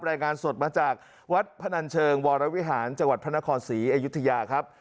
รายงานสดมาจากวัดพนันเชิงวรวิหารจังหวัดพระนครศรีอยุธยาครับ